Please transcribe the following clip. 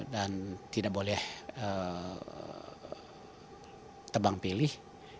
dan tidak boleh tebang pilih